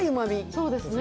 そうですね。